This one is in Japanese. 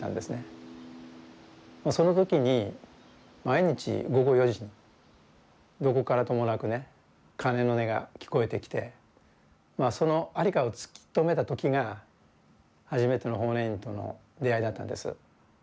その時に毎日午後４時にどこからともなくね鐘の音が聞こえてきてその在りかを突き止めた時が初めての法然院との出会いだったんです。